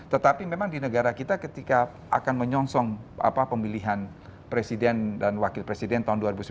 tetapi memang di negara kita ketika akan menyongsong pemilihan presiden dan wakil presiden tahun dua ribu sembilan belas